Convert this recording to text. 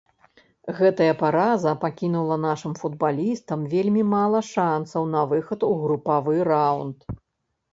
Гэтая параза пакінула нашым футбалістам вельмі мала шанцаў на выхад у групавы раўнд.